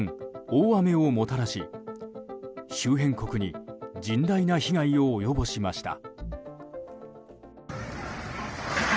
大雨をもたらし周辺国に甚大な被害を及ぼしました。